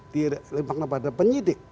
dilembangkan kepada penyidik